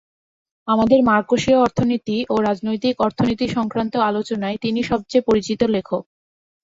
বাংলাদেশে মার্কসীয় অর্থনীতি ও রাজনৈতিক অর্থনীতি সংক্রান্ত আলোচনায় তিনি সবচেয়ে পরিচিত লেখক।